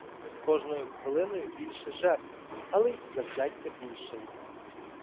З кожною хвилиною більше жертв, але й завзяття більшає.